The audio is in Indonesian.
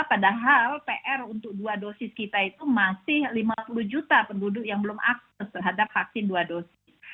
padahal pr untuk dua dosis kita itu masih lima puluh juta penduduk yang belum akses terhadap vaksin dua dosis